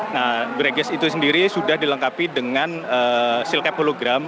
nah brake gas itu sendiri sudah dilengkapi dengan silkep hologram